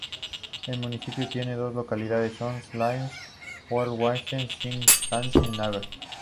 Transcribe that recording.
El municipio tiene dos localidades: Onze-Lieve-Vrouw-Waver y Sint-Katelijne-Waver.